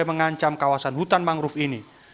yang mengancam kawasan hutan mangrove